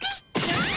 ああ。